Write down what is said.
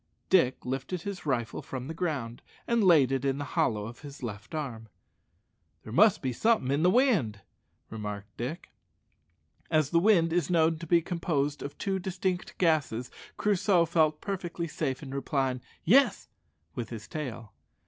Dick lifted his rifle from the ground, and laid it in the hollow of his left arm. "There must be something in the wind," remarked Dick. As wind is known to be composed of two distinct gases, Crusoe felt perfectly safe in replying "Yes" with his tail.